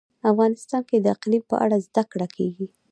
افغانستان کې د اقلیم په اړه زده کړه کېږي.